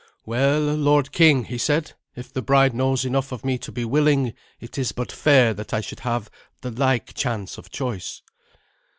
"Well, lord king," he said, "if the bride knows enough of me to be willing, it is but fair that I should have the like chance of choice."